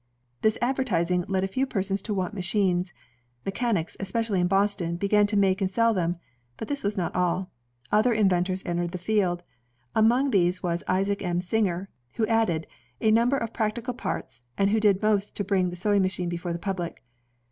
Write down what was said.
This advertising led a few persons to want machines. Mechanics, especially in Boston, began to make and sell them. But this was not all. Other inventors entered the field. Among these was Isaac M. Singer, who added a number of practical parts and who did most to bring the sewing machine before the public.